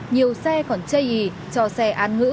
nhiều xe còn chây ý cho xe án ngữ